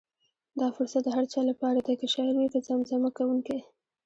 دا فرصت د هر چا لپاره دی، که شاعر وي که زمزمه کوونکی.